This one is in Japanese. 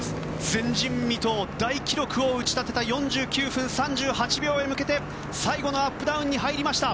前人未到、大記録を打ち立てた４９分３８秒へ向けて最後のアップダウンに入りました。